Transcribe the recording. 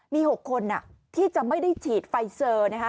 มี๖คนที่จะไม่ได้ฉีดไฟเซอร์นะคะ